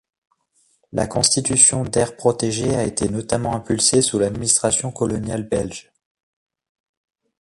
La constitution d'aires protégées a été notamment impulsée sous l'administration coloniale belge.